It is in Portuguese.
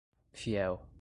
fiel